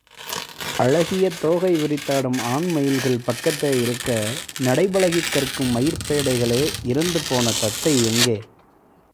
அழகிய தோகை விரித்தாடும் ஆண்மயில்கள் பக்கத்தே இருக்க, நடைபழகிக் கற்கும் மயிற் பேடைகளே இறந்து போன தத்தை எங்கே?